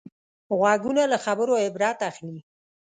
غوږونه له خبرو عبرت اخلي